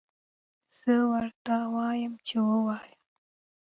زه ورته وایم چې ووایه.